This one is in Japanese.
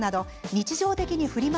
日常的にフリマ